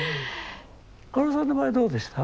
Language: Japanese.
かおるさんの場合どうでした？